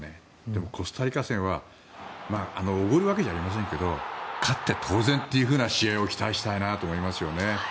でもコスタリカ戦はおごるわけじゃありませんが勝って当然という試合を期待したいなと思いますね。